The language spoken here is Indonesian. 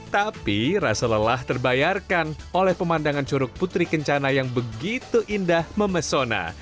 tapi rasa lelah terbayarkan oleh pemandangan curug putri kencana yang begitu indah memesona